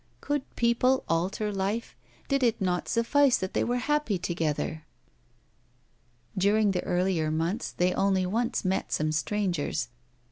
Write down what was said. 'Could people alter life? Did it not suffice that they were happy together?' During the earlier months they only once met some strangers.